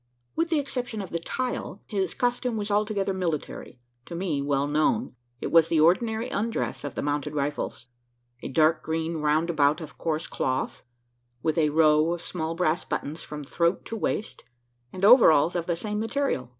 With the exception of the "tile," his costume was altogether military to me well known. It was the ordinary undress of the mounted rifles: a dark green round about of coarse cloth with a row of small brass buttons from throat to waist and overalls of the same material.